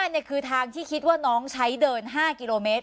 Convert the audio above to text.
นี่คือทางที่คิดว่าน้องใช้เดิน๕กิโลเมตร